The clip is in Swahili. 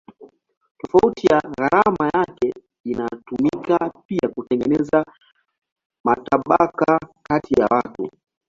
Tofauti ya gharama yake inatumika pia kujenga matabaka kati ya watu.